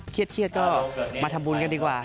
เครียดก็มาทำบุญกันดีกว่า